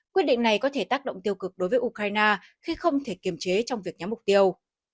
quyết định này có thể tác động tiêu cực đối với ukraine khi không thể kiềm chế trong việc nhắm mục tiêu